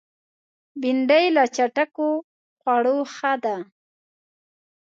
بېنډۍ له چټکو خوړو ښه ده